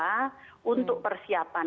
kita sedang mendatang untuk persiapan